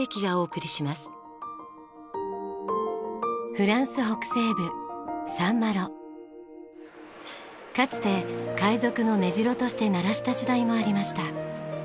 フランス北西部かつて海賊の根城としてならした時代もありました。